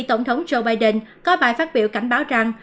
tổng thống joe biden có bài phát biểu cảnh báo rằng